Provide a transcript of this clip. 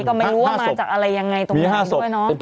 ก็ไม่รู้ว่ามาจากอะไรยังไงตรงไหนด้วยเนาะฮ่าศพมีฮ่าศพ